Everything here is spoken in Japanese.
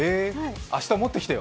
明日、持ってきてよ。